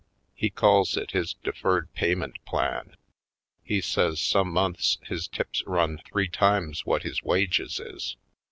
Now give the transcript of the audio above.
He calls it his deferred pay ment plan. He says some months his tips run three times what his wages is.